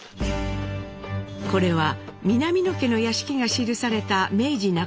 これは南野家の屋敷が記された明治中頃の地図。